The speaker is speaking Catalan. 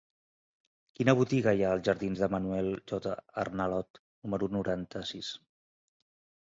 Quina botiga hi ha als jardins de Manuel J. Arnalot número noranta-sis?